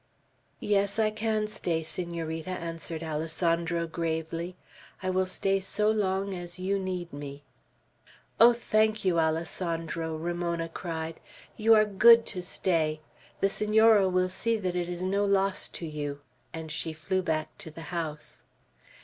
"Yes, I can stay, Senorita," answered Alessandro, gravely. "I will stay so long as you need me." "Oh, thank you, Alessandro!" Ramona cried. "You are good, to stay. The Senora will see that it is no loss to you;" and she flew back to the house.